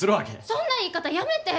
そんな言い方やめて！